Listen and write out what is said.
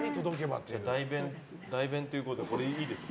代弁ということでこれいいですか？